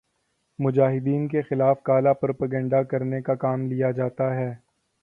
مجاہدین کے خلاف کالا پروپیگنڈا کرنے کا کام لیا جاتا ہے